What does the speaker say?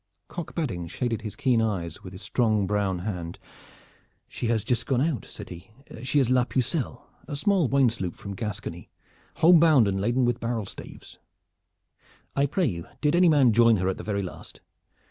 Cock Badding shaded his keen eyes with his strong brows hand. "She has but just gone out," said he. "She is La Pucelle, a small wine sloop from Gascony, home bound and laden with barrel staves." "I pray you did any man join her at the very last?"